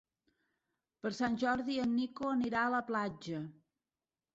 Per Sant Jordi en Nico anirà a la platja.